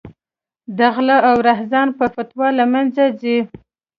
د غله او رحزن په فتوا له منځه ځي.